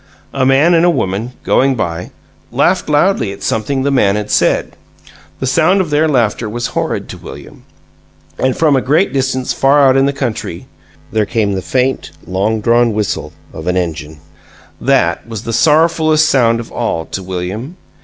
A man and a woman, going by, laughed loudly at something the man had said: the sound of their laughter was horrid to William. And from a great distance from far out in the country there came the faint, long drawn whistle of an engine. That was the sorrowfulest sound of all to William.